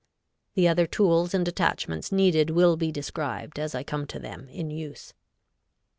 The other tools and attachments needed will be described as I come to them in use.